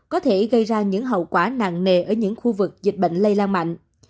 có thể gây ra những hậu quả nặng nề ở những khu vực dịch bệnh lây lan mạnh